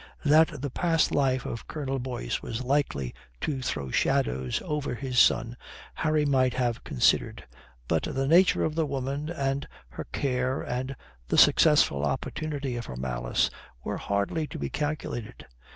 That the past life of Colonel Boyce was likely to throw shadows over his son Harry might have considered, but the nature of the lady and her care and the successful opportunity of her malice were hardly to be calculated.